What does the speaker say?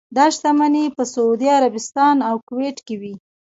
دا شتمنۍ په سعودي عربستان او کویټ کې وې.